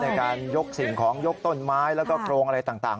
ในการยกสิ่งของยกต้นไม้แล้วก็โครงอะไรต่าง